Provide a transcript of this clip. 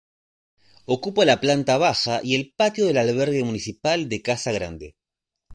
Ocupa la planta baja y el patio del albergue municipal de Casa Grande.